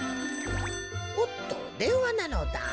☎おっとでんわなのだ。